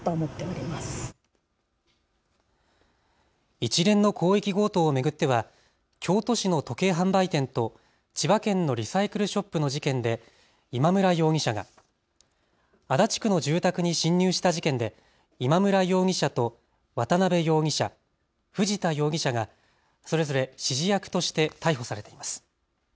一連の広域強盗を巡っては京都市の時計販売店と千葉県のリサイクルショップの事件で今村容疑者が、足立区の住宅に侵入した事件で今村容疑者と渡邉容疑者、藤田容疑者がそれぞれ指示役として逮捕されています。